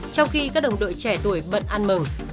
trong khi các đồng đội trẻ tuổi bận ăn mở